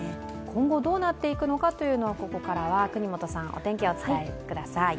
今後どうなっていくのかをここからは國本さん、お天気お伝えください。